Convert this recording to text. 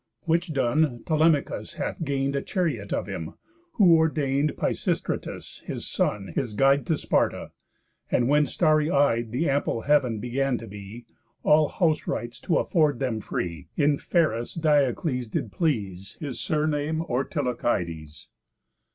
Which done, Telemachus hath gain'd A chariot of him; who ordain'd Pisistratus, his son, his guide To Sparta; and when starry eyed The ample heav'n began to be, All house rites to afford them free, In Pheris, Diocles did please, His surname Ortilochides.